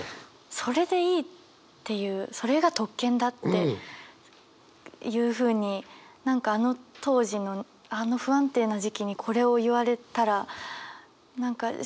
それでいいっていうそれが特権だっていうふうに何かあの当時のあの不安定な時期にこれを言われたらそうなのよね。